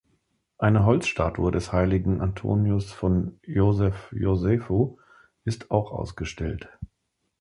Eine Holzstatue des Heiligen Antonius von Josef Josephu ist auch ausgestellt.